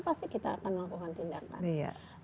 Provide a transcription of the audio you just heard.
pasti kita akan melakukan tindakan